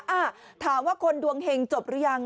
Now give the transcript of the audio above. อ่ะถามว่าคนดวงเห็งจบหรือยัง